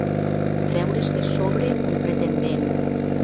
Treure's de sobre un pretendent.